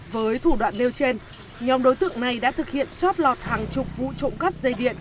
với thủ đoạn nêu trên nhóm đối tượng này đã thực hiện chót lọt hàng chục vụ trộm cắp dây điện